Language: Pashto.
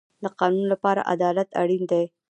د قانون لپاره عدالت اړین دی